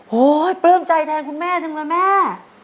โหปลื้มใจแทนคุณแม่จังเลยแม่